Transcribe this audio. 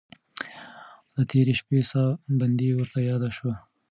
د تېرې شپې ساه بندي ورته یاده شوه.